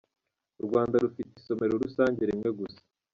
U Rwanda rufite isomero rusage rimwe gusa.